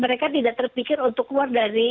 mereka tidak terpikir untuk keluar dari